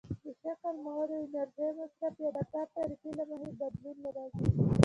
د شکل، موادو، د انرژۍ مصرف، یا د کار طریقې له مخې بدلون راځي.